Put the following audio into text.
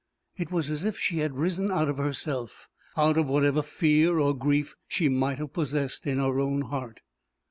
It was as if she had risen out of herself, out of whatever fear or grief she might have possessed in her own heart.